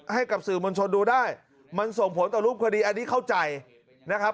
ให้กับสื่อมวลชนดูได้มันส่งผลต่อรูปคดีอันนี้เข้าใจนะครับ